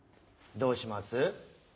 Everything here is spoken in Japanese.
どうします？